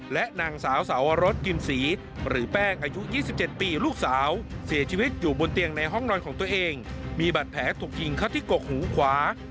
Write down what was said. และนางสาวสาวรสกินศรีหรือแป้งอายุ๒๗ปีลูกสาวเสียชีวิตอยู่บนเตียงในห้องนอนของตัวเองมีบัตรแผลถูกยิงเข้าที่กกหูขวา